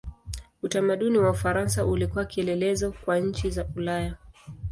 Utamaduni wa Ufaransa ulikuwa kielelezo kwa nchi za Ulaya.